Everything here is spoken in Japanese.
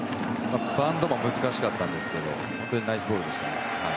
バウンドも難しかったんですけどナイスボールでしたね。